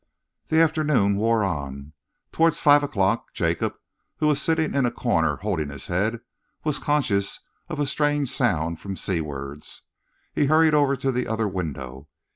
The afternoon wore on. Towards five o'clock, Jacob, who was sitting in a corner, holding his head, was conscious of a strange sound from seawards. He hurried over to the other window.